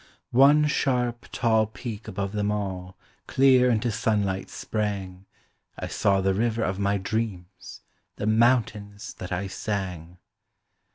One sharp, tall peak above them all Clear into sunlight sprang I saw the river of my dreams, The mountains that I sang!